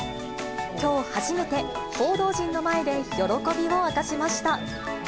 きょう初めて、報道陣の前で喜びを明かしました。